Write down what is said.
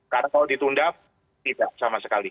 karena kalau ditunda tidak sama sekali